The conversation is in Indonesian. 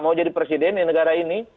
mau jadi presiden di negara ini